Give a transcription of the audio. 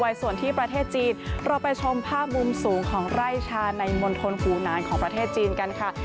ส่วนที่ประเทศจีนเราไปชมภาพมุมสูงของไร่ชาในมณฑลฟูนานของประเทศจีนกันค่ะ